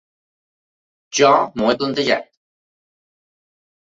Jo m’ho he plantejat.